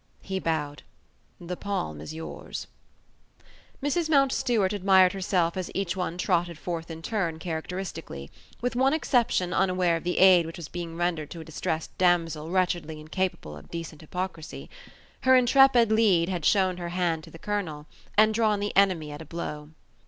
He bowed. "The palm is yours." Mrs. Mountstuart admired herself as each one trotted forth in turn characteristically, with one exception unaware of the aid which was being rendered to a distressed damsel wretchedly incapable of decent hypocrisy. Her intrepid lead had shown her hand to the colonel and drawn the enemy at a blow.